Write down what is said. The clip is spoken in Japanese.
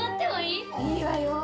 いいわよ